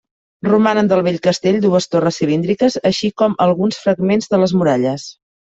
Romanen del vell castell dues torres cilíndriques, així com alguns fragments de les muralles.